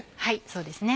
そうですね